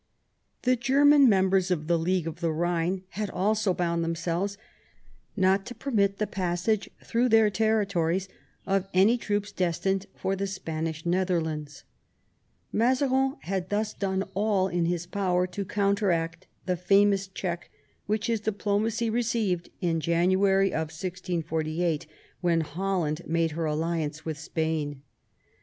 The German members of the League of the Ehine had also bound themselves not to permit the passage through their territories of any troops destined for the Spanish Nether lands. Mazarin had .thus done all in his power to counteract the famous check which his diplomacy re ceived in January 1648, when Holland made her alliance with Spain.